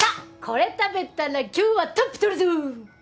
これ食べたら今日はトップ取るぞ！